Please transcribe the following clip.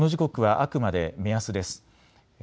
ただこの時刻はあくまで目安です。